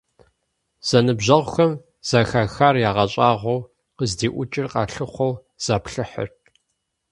Зэныбжьэгъухэм, зэхахар ягъэщӀагъуэу, къыздиӀукӀыр къалъыхъуэу заплъыхьырт.